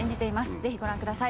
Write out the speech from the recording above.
ぜひご覧ください。